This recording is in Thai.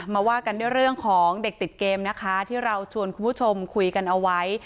ว่ากันด้วยเรื่องของเด็กติดเกมนะคะที่เราชวนคุณผู้ชมคุยกันเอาไว้